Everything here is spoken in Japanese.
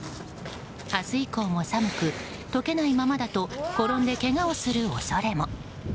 明日以降も寒く解けないままだと転んでけがをする恐れも。